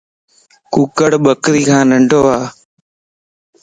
ڪُڪڙ ٻڪري کان ننڊو اَ